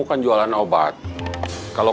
biar homem male